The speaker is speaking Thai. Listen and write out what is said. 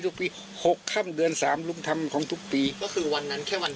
ทุกปีหกค่ำเดือนสามลุงทำของทุกปีก็คือวันนั้นแค่วัน